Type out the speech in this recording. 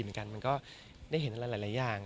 ก็มีไปคุยกับคนที่เป็นคนแต่งเพลงแนวนี้